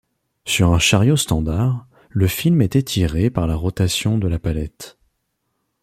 Sur un chariot standard, le film est étiré par la rotation de la palette.